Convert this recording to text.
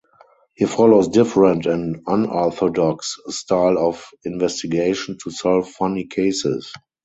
He follows different and unorthodox style of investigation to solve funny cases.